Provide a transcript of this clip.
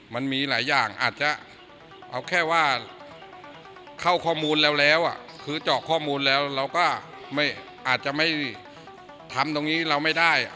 มันมีหลายอย่างอาจจะเอาแค่ว่าเข้าข้อมูลเราแล้วคือเจาะข้อมูลแล้วเราก็อาจจะไม่ทำตรงนี้เราไม่ได้